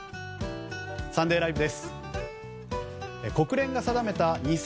「サンデーＬＩＶＥ！！」